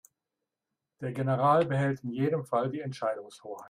Der General behält in jedem Fall die Entscheidungshoheit.